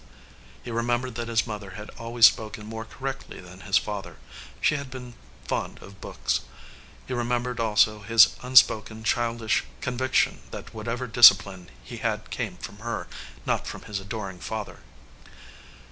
He remembered that his mother had always spoken more correctly than his father. She had been fond of books. He remembered also his un spoken childish conviction that whatever discipline he had came from her, not from his adoring father.